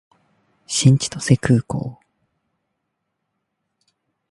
新千歳空港